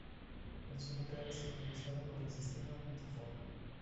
El sonido era sincronizado con el sistema Vitaphone.